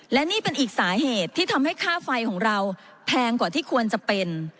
และนี่เป็นอีกสาเหตุที่ทำให้ค่าไฟของเราแพงกว่าที่ควรจะเป็น